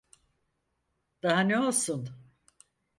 Daha ne olsun?